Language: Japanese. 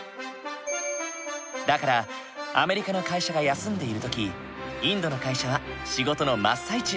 だからアメリカの会社が休んでいる時インドの会社は仕事の真っ最中。